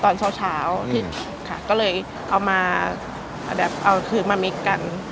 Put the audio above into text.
ตอนเช้าเช้าค่ะก็เลยเอามาแบบเอาคืนมามิกกัน